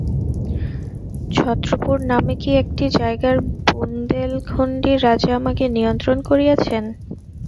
ছত্রপুর নামে কি একটি জায়গার বুন্দেলখণ্ডী রাজা আমাকে নিমন্ত্রণ করিয়াছেন।